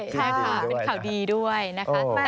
เป็นข่าวดีด้วยนะครับ